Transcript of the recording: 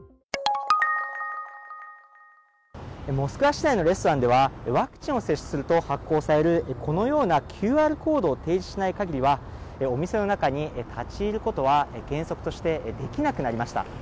モスクワ市内のレストランではワクチンを接種すると発行されるＱＲコードを提示しない限りは、お店の中に立ち入ることは原則としてできなくなりました。